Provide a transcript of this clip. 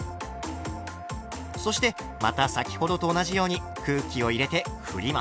そしてまた先ほどと同じように空気を入れてふります。